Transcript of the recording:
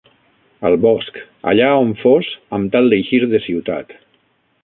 Al bosc, allà a on fos amb tal d'eixir de ciutat